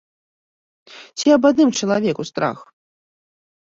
Ці аб адным чалавеку страх?